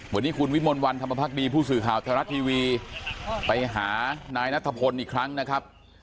วันนี้คุณวิมลวันธรรมพักดีผู้สื่อข่าวไทยรัฐทีวีไปหานายนัทพลอีกครั้งนะครับ